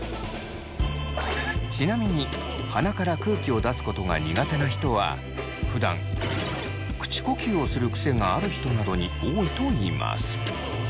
ちなみに鼻から空気を出すことが苦手な人はふだん口呼吸をする癖がある人などに多いといいます。